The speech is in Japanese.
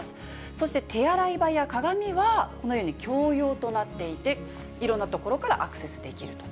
そして手洗い場や鏡は、このように共用となっていて、いろんな所からアクセスできると。